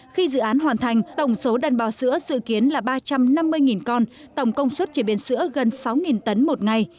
khi dự án hoàn thành tổng số đàn bò sữa dự kiến là ba trăm năm mươi con tổng công suất chế biến sữa gần sáu tấn một ngày